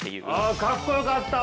あかっこよかったわ！